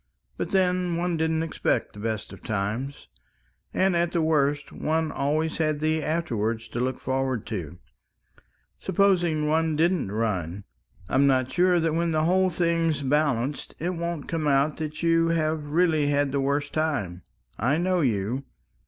But then one didn't expect the best of times. And at the worst, one had always the afterwards to look forward to ... supposing one didn't run.... I'm not sure that when the whole thing's balanced, it won't come out that you have really had the worst time. I know you